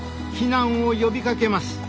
避難を呼びかけます。